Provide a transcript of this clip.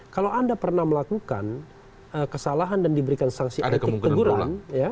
kalau anda pernah melakukan kesalahan dan diberikan sanksi antik teguran